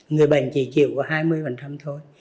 người bệnh chỉ chịu có hai mươi thôi